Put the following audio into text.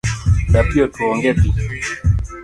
Dapi otuo onge pi .